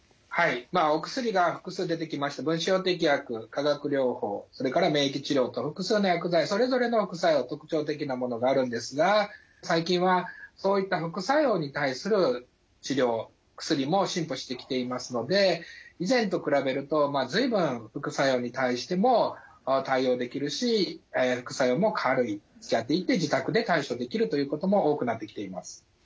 化学療法それから免疫治療と複数の薬剤それぞれの副作用特徴的なものがあるんですが最近はそういった副作用に対する治療薬も進歩してきていますので以前と比べると随分副作用に対しても対応できるし副作用も軽い自宅で対処できるということも多くなってきています。